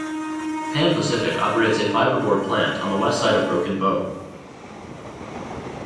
Pan Pacific operates a fiberboard plant on the west side of Broken Bow.